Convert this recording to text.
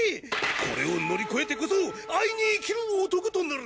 これを乗り越えてこそ愛に生きる男となる！